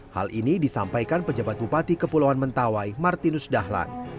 hal ini disampaikan pejabat bupati kepulauan mentawai martinus dahlan